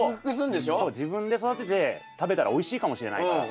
自分で育てて食べたらおいしいかもしれないから。